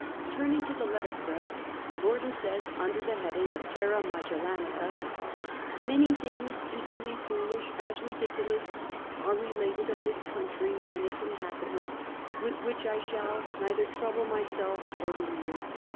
Turning to the letterpress, Gordon says, under the heading of " Terra Magellanica ":" Many things equally foolish as ndiculous are related of this country and its inhabitants, with which I shall neither trouble myself or the reader."